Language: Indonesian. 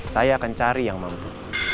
saya akan cari yang mampu